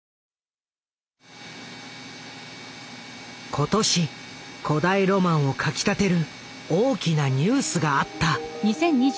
今年古代ロマンをかきたてる大きなニュースがあった。